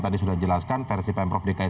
tadi sudah jelaskan versi pemprov dki